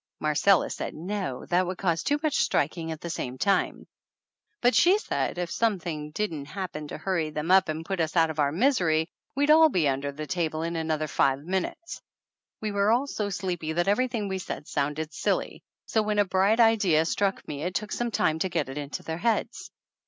Marcella said no, that would cause too much striking at the same time, but she said if something didn't happen to hurry them up and put us out of our misery we would all be under the table in another five minutes. We were all so sleepy that everything we said sounded silly, so when a bright idea struck me it took some time to get it into their heads.